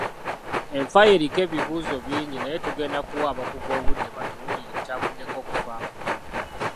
Enfa ye eriko ebibuuzo bingi naye tugenda kuwa abakugu obudde batubuulire ekyavuddeko okufa kwe.